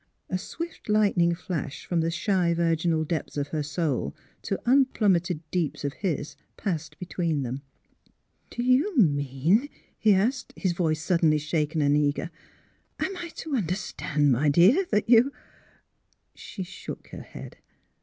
" A swift lightning flash from the shy virginal depths of her soul to unplummeted deeps of his passed between them. *' Do you mean? " he asked, his voice suddenly shaken and eager; " Am I to understand, my dear, that you " She shook her head.